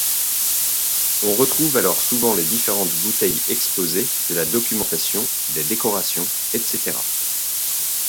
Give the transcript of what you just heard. On retrouve alors souvent les différentes bouteilles exposées, de la documentation, des décorations, etc.